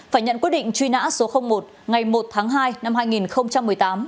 phải nhận quyết định truy nã số một ngày một tháng hai năm hai nghìn một mươi tám